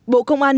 bộ công an